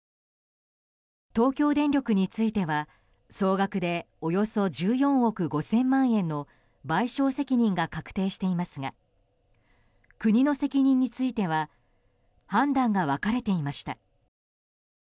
東京電力については総額でおよそ１４億５０００万円の賠償責任が確定していますが国の責任については判断が分かれていました。